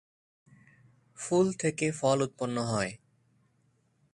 ফুল থেকে ফল উৎপন্ন হয়।